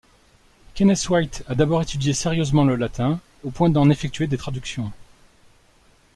Kenneth White a d’abord étudié sérieusement le latin, au point d’en effectuer des traductions.